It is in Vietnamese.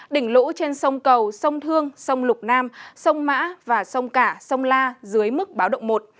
đỉnh lũ trên sông cầu sông thương sông lục nam sông mã và sông cả sông la dưới mức báo động một